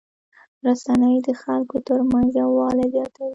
رسنۍ د خلکو ترمنځ یووالی زیاتوي.